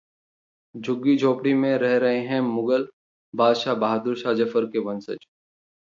झुग्गी-झोपड़ी में रह रहे हैं मुगल बादहशाह बहादुर शाह जफर के वंशज